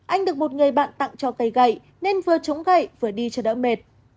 anh được một người bạn tặng cho cây gậy nên vừa trúng gậy vừa đi cho đỡ mệt